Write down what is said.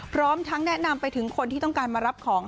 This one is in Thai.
พร้อมทั้งแนะนำไปถึงคนที่ต้องการมารับของ